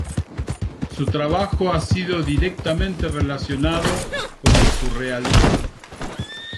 Su trabajo ha sido directamente relacionado con el Surrealismo.